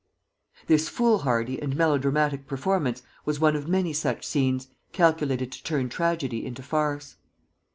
'" This foolhardy and melodramatic performance was one of many such scenes, calculated to turn tragedy into farce.